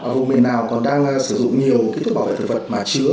vùng mình nào còn đang sử dụng nhiều cái thuốc bảo vệ thực vật mà chứa